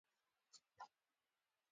خور د مهربانۍ نه ډکه وي.